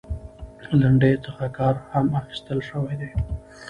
لنډيو څخه هم کار اخيستل شوى دى .